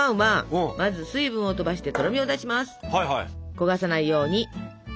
焦がさないように。